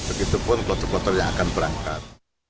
begitu pun klotor klotor yang akan berangkat